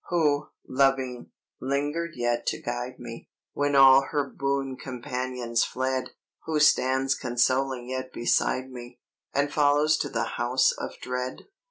"Who, loving, lingered yet to guide me, When all her boon companions fled, Who stands consoling yet beside me, And follows to the House of Dread?